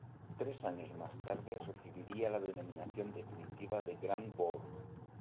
Tres años más tarde recibiría la denominación definitiva de Grand Bourg.